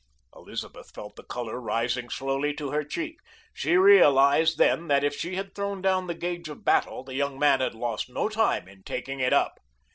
Elizabeth felt the color rising slowly to her cheek. She realized then that if she had thrown down the gage of battle the young man had lost no time in taking it up.